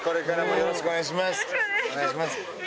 よろしくお願いします